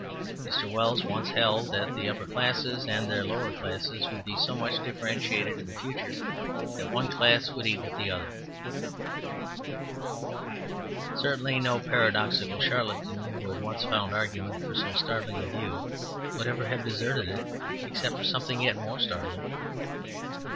Mr. Wells once held that the upper classes and the lower classes would be so much differentiated in the future that one class would eat the other. Certainly no paradoxical charlatan who had once found arguments for so startling a view would ever have deserted it except for something yet more startling.